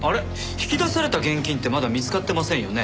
引き出された現金ってまだ見つかってませんよね？